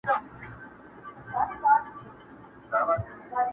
چي ده سم نه کړل خدای خبر چي به په چا سمېږي،